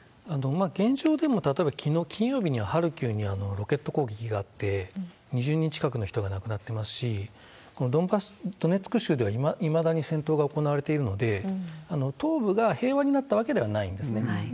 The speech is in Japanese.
現状でも例えば、きのう、金曜日にハルキウにロケット攻撃があって、２０人近くの人が亡くなっていますし、このドネツク州ではいまだに戦闘が行われているので、東部が平和になったわけではないんですね。